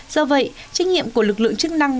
do vậy trách nhiệm của lực lượng chức năng